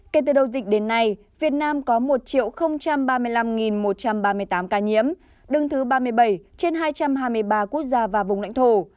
kể từ đầu dịch đến nay việt nam có một ba mươi năm một trăm ba mươi tám ca nhiễm đứng thứ ba mươi bảy trên hai trăm hai mươi ba quốc gia và vùng lãnh thổ